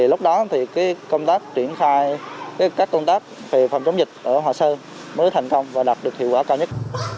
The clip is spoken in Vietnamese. lúc đó thì công tác triển khai các công tác về phòng chống dịch ở hòa sơn mới thành công và đạt được hiệu quả cao nhất